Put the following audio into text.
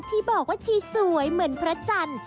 ที่บอกว่าชีสวยเหมือนพระจันทร์